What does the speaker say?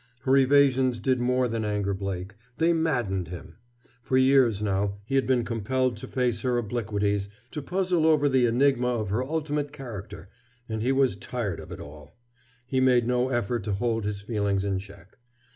Her evasions did more than anger Blake; they maddened him. For years now he had been compelled to face her obliquities, to puzzle over the enigma of her ultimate character, and he was tired of it all. He made no effort to hold his feelings in check.